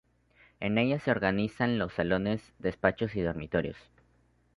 En ella se organizan los salones, despachos y dormitorios.